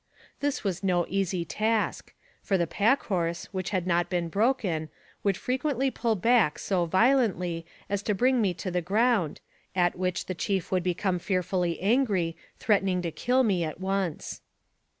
This was no easy task, for the pack horse, which had not been broken, would frequently pull back so violently as to bring me to the ground, at which the chief would become fearfully angry, threatening to kill me at once.